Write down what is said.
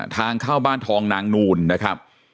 ทางเข้าบ้านทองนางนูนนะครับ